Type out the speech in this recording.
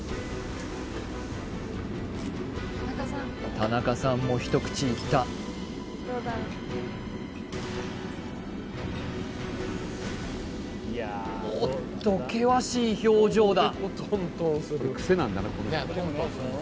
田中さんも一口いったおっと険しい表情だ